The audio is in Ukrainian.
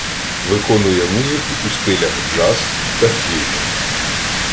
Виконує музику у стилях джаз та ф'южн.